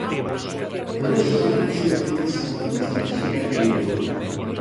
Pero vexo máis posible casar cunha estranxeira e ir a Europa.